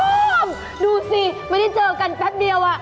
ดูสิไม่ได้เจอกันแป๊บเดียวอะ